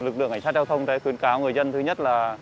lực lượng cảnh sát giao thông đã khuyên cáo người dân thứ nhất là